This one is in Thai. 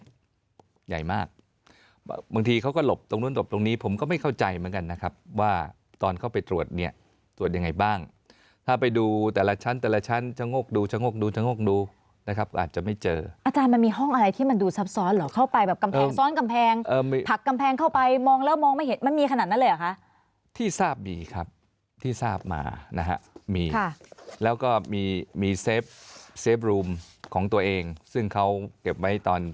เม็ดใหญ่มากบางทีเขาก็หลบตรงนู้นตรงนี้ผมก็ไม่เข้าใจเหมือนกันนะครับว่าตอนเข้าไปตรวจเนี่ยตรวจยังไงบ้างถ้าไปดูแต่ละชั้นแต่ละชั้นจะงกดูจะงกดูจะงกดูนะครับอาจจะไม่เจออาจารย์มันมีห้องอะไรที่มันดูซับซ้อนหรอเข้าไปแบบกำแพงซ้อนกำแพงผักกำแพงเข้าไปมองแล้วมองไม่เห็นมันมีขนาดนั้นเลยหรอคะที่ท